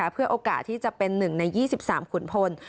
เพื่อโอกาสที่จะเป็น๑ใน๒๓ขุนพล